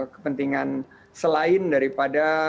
kepentingan selain daripada